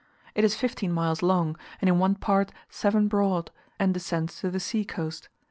It is 15 miles long, and in one part 7 broad and descends to the sea coast.